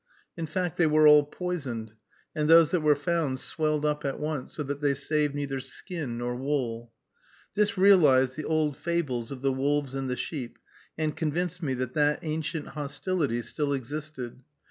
In fact, they were all poisoned, and those that were found swelled up at once, so that they saved neither skin nor wool. This realized the old fables of the wolves and the sheep, and convinced me that that ancient hostility still existed.